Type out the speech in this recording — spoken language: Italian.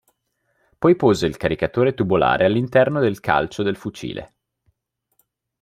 Poi pose il caricatore tubolare all'interno del calcio del fucile.